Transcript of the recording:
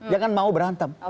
jangan mau berantem